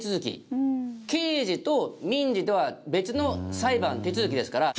刑事と民事では別の裁判手続きですから。